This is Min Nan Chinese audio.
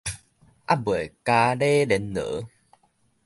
猶未傀儡嗹囉